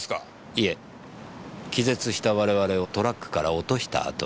いえ気絶した我々をトラックから落とした後に。